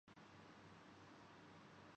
ان دلائل کا جائزہ لیا جاتا ہے۔